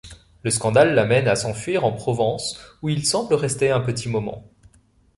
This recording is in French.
Le scandale l’amène à s’enfuir en Provence où il semble rester un petit moment.